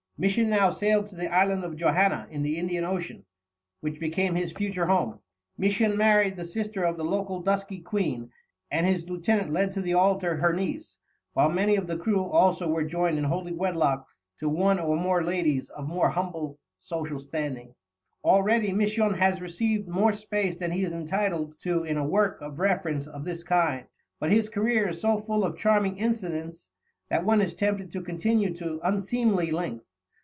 Misson now sailed to the Island of Johanna in the Indian Ocean, which became his future home. Misson married the sister of the local dusky queen, and his lieutenant led to the altar her niece, while many of the crew also were joined in holy wedlock to one or more ladies of more humble social standing. Already Misson has received more space than he is entitled to in a work of reference of this kind, but his career is so full of charming incidents that one is tempted to continue to unseemly length.